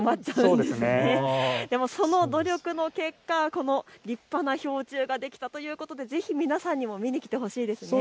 でもその努力の結果、この立派な氷柱ができたということでぜひ皆さんにも見に来てほしいですね。